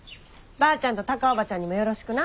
ばあちゃんとタカ叔母ちゃんにもよろしくな。